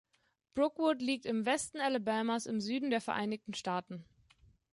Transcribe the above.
Brookwood liegt im Westen Alabamas im Süden der Vereinigten Staaten.